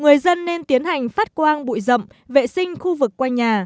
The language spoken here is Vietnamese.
người dân nên tiến hành phát quang bụi rậm vệ sinh khu vực quanh nhà